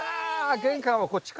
玄関はこっちか？